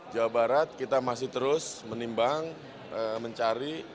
jawa barat kita masih terus menimbang mencari